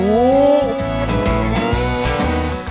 โอ้โห